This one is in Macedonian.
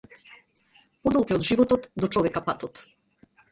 Подолг е од животот до човека патот.